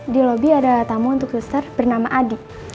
di lobby ada tamu untuk suster bernama adi